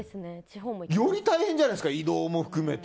より大変じゃないですか。